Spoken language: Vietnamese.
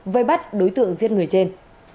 vây bắt đối tượng giết người trên